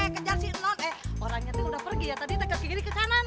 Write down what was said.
kejar si non orangnya udah pergi ya tadi ke kiri ke kanan